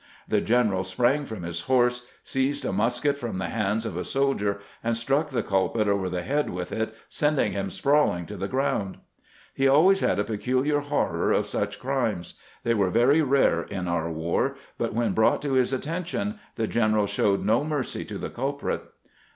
The general sprang from his horse, seized a musket from the hands of a soldier, and struck the culprit over the head with it, sending him sprawling to the ground." He always had a peculiar horror of such crimes. They were very rare in our war, but when brought to his attention the gen eral showed no mercy to the culprit.